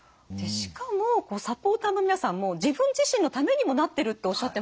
しかもサポーターの皆さんも自分自身のためにもなってるっておっしゃってますよね。